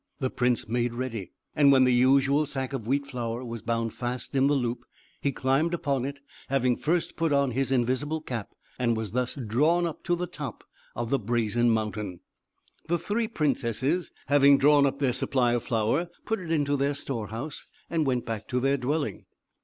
The prince made ready; and when the usual sack of wheat flour was bound fast in the loop, he climbed upon it, having first put on his invisible cap, and was thus drawn up to the top of the Brazen Mountain. The three princesses, having drawn up their supply of flour, put it into their storehouse, and went back to their dwelling.